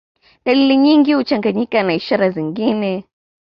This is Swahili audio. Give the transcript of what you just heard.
Dalili nyingi huchanganyika na ishara zingine